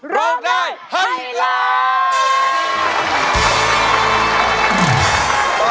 ร้องได้ให้ล้าน